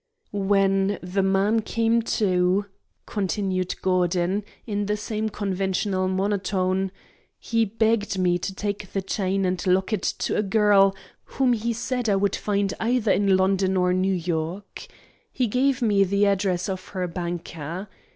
"When the man came to," continued Gordon, in the same conventional monotone, "he begged me to take the chain and locket to a girl whom he said I would find either in London or in New York. He gave me the address of her banker.